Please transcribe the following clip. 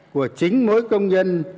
của chính mỗi công nhân